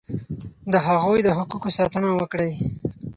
د هغوی د حقوقو ساتنه وکړئ.